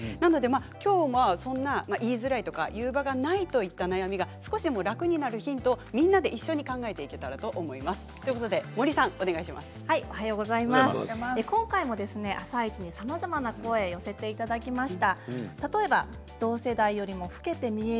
なのできょうは言いづらいとか言う場がないといった悩みが少しでも楽になるヒント、みんなで一緒に考えていけたらと今回も「あさイチ」にさまざまな声を寄せていただきました。